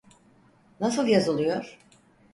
Nasıl yazılıyor?